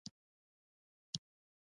له نړۍ زده کړه وکړو.